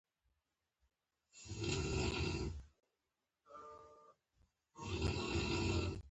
د دې پوښتنې ځواب باید د بنسټونو غبرګون پوه شو.